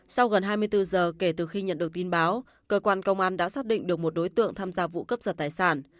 sau gần hai mươi bốn giờ kể từ khi nhận được tin báo cơ quan công an đã xác định được một đối tượng tham gia vụ cướp giật tài sản